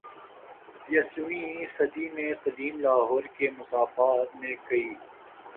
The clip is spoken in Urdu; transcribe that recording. یسویں صدی میں قدیم لاہور کے مضافات میں کئی